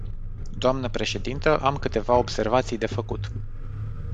Dnă președintă, am câteva observații de făcut.